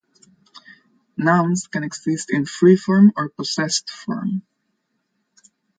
Nouns can exist in free form or possessed form.